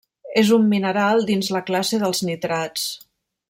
És un mineral dins la classe dels nitrats.